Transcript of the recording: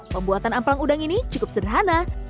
pembuatan amplang udang ini cukup sederhana